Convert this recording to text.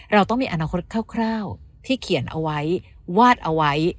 เราต้องมีอนาคตคร่าวที่เขียนเอาไว้วาดเอาไว้